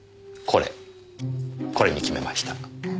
これに決めました。